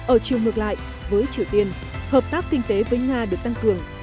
ở chiều ngược lại với triều tiên hợp tác kinh tế với nga được tăng cường